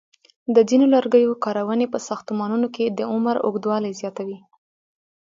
د ځینو لرګیو کارونې په ساختمانونو کې د عمر اوږدوالی زیاتوي.